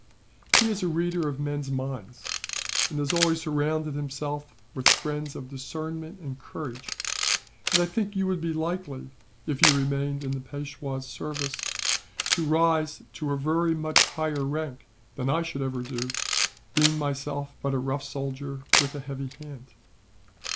He is a reader of men's minds, and has always surrounded himself with friends of discernment and courage; and I think you would be likely, if you remained in the Peishwa's service, to rise to a very much higher rank than I should ever do, being myself but a rough soldier with a heavy hand.